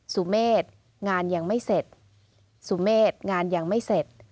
สุเมษงานยังไม่เสร็จสุเมษงานยังไม่เสร็จ